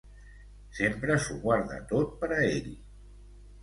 Sempre s'ho guarda tot per a ell.